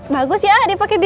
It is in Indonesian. bagus ya ah dia pakai ini